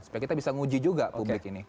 supaya kita bisa nguji juga publik ini